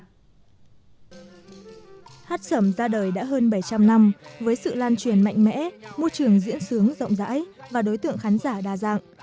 hát sầm ra đời đã hơn bảy trăm linh năm với sự lan truyền mạnh mẽ môi trường diễn sướng rộng rãi và đối tượng khán giả đa dạng